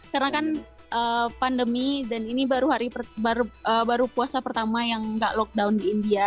karena kan pandemi dan ini baru puasa pertama yang nggak lockdown di india